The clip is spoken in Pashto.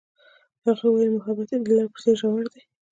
هغې وویل محبت یې د لاره په څېر ژور دی.